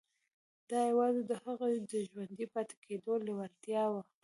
دا يوازې د هغه د ژوندي پاتې کېدو لېوالتیا وه.